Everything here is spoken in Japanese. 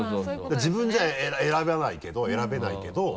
自分じゃ選ばないけど選べないけど。